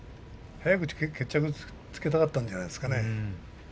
早く決着をつけたかったんじゃないですかね。